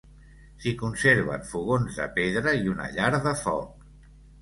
S'hi conserven fogons de pedra i una llar de foc.